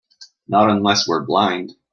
Not unless we're blind.